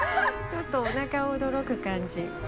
◆ちょっと、おなか驚く感じ。